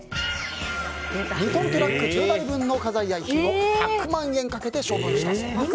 ２トントラック１０台分の家財や遺品を１００万円かけて処分したそうです。